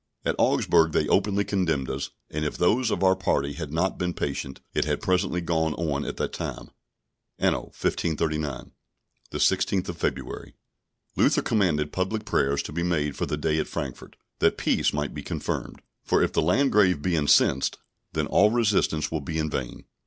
At Augsburg they openly condemned us; and if those of our party had not been patient, it had presently gone on at that time. Anno 1539, the 16th of February, Luther commanded public prayers to be made for the day at Frankfort, that peace might be confirmed. For if the Landgrave be incensed, then all resistance will be in vain.